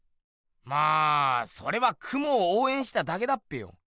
まあそれはクモをおうえんしただけだっぺよ。